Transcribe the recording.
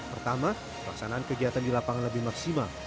pertama pelaksanaan kegiatan di lapangan lebih maksimal